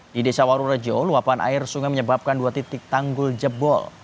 di desa warurejo luapan air sungai menyebabkan dua titik tanggul jebol